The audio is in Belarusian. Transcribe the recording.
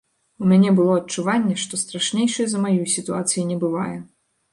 У мяне было адчуванне, што страшнейшай за маю сітуацыі не бывае.